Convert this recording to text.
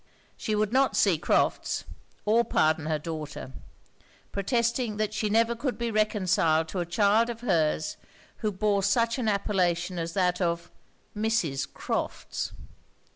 She would not see Crofts, or pardon her daughter; protesting that she never could be reconciled to a child of her's who bore such an appellation as that of 'Mrs. Crofts.'